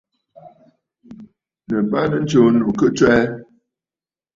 Nɨ̀ bàrà tsuu ɨnnù ki tswɛɛ.